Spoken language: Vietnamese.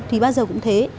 thì bao giờ cũng thế